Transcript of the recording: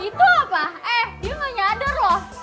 itu apa eh dia gak nyadar loh